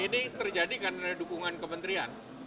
ini terjadi karena dukungan kementerian